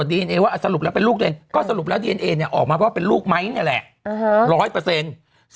เดี่ยว่าจริงสรุปแล้วเป็นลูกเลนก็สรุปแล้วเรียนเนี่ยออกมาว่าเป็นลูกไม้นี่แหละร้อยเปอร์เซ็นต์